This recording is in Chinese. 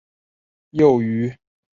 幼鱼常溯河入淡水河川。